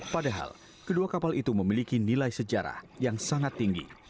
padahal kedua kapal itu memiliki nilai sejarah yang sangat tinggi